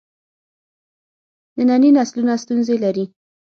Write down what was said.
ننني نسلونه ستونزې لري.